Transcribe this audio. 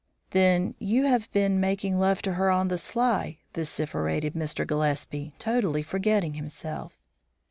"Then you have been making love to her on the sly!" vociferated Mr. Gillespie, totally forgetting himself.